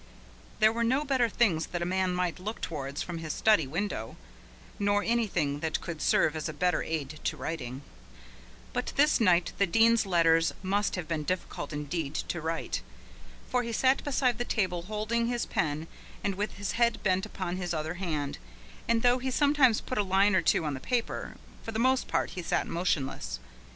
There were no better things that a man might look towards from his study window, nor anything that could serve as a better aid to writing. But this night the Dean's letters must have been difficult indeed to write. For he sat beside the table holding his pen and with his head bent upon his other hand, and though he sometimes put a line or two on the paper, for the most part he sat motionless.